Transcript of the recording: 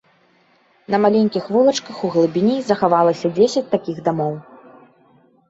На маленькіх вулачках у глыбіні захавалася дзесяць такіх дамоў.